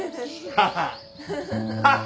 ハハハハ！